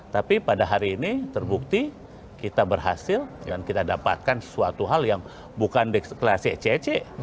tapi pada hari ini terbukti kita berhasil dan kita dapatkan sesuatu hal yang bukan deklarasi ece